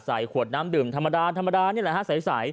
ขวดน้ำดื่มธรรมดาธรรมดานี่แหละฮะใส